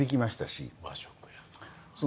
和食やな